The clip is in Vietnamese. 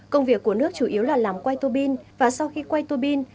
công việc của nước chủ yếu là làm quay tô bin và sau khi quay tuô bin